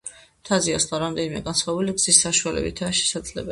მთაზე ასვლა რამდენიმე განსხვავებული გზის საშუალებითაა შესაძლებელი.